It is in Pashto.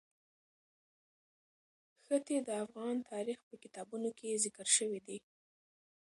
ښتې د افغان تاریخ په کتابونو کې ذکر شوی دي.